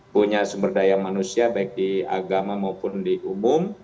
punya sumber daya manusia baik di agama maupun di umum